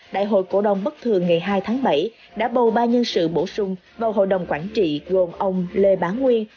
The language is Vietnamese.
đại hội cổ đồng bất thường ngày hai tháng bảy đã bầu ba nhân sự bổ sung vào hội đồng quản trị gồm ông lê bá nguyên